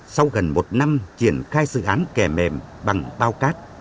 sau gần một năm triển khai dự án kè mềm bằng bao cát